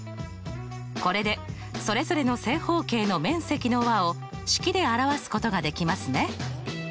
これでそれぞれの正方形の面積の和を式で表すことができますね。